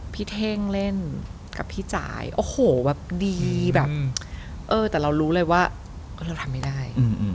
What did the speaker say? เท่งเล่นกับพี่จ่ายโอ้โหแบบดีแบบเออแต่เรารู้เลยว่าก็เราทำไม่ได้